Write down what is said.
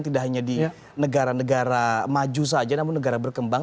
tidak hanya di negara negara maju saja namun negara berkembang